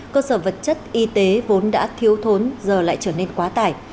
cơ sở vật chất y tế vốn đã thiếu thốn giờ lại trở nên quá tải